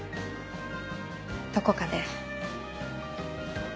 どこかで。